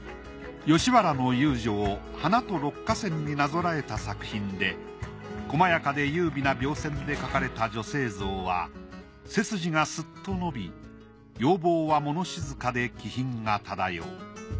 吉原の遊女を花と六歌仙になぞらえた作品で細やかで優美な描線で描かれた女性像は背筋がすっと伸び容貌はもの静かで気品がただよう。